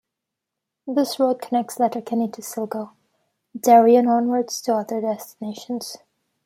This road connects Letterkenny to Sligo, Derry and onwards to other destinations.